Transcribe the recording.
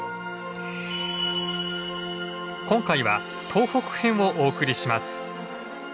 今回は東北編をお送りします。